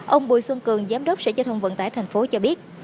ông bùi xuân cường giám đốc sở giao thông vận tải tp cho biết